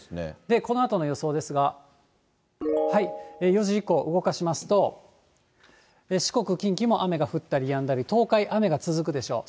このあとの予想ですが、４時以降、動かしますと、四国、近畿も雨が降ったりやんだり、東海、雨が続くでしょう。